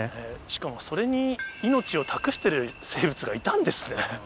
しかもそれに命を託してる生物がいたんですね。